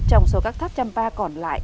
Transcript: trong số các tháp trầm pa còn lại